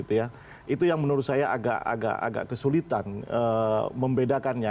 itu yang menurut saya agak kesulitan membedakannya